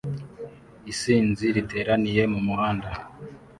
Isinzi riteraniye mu muhanda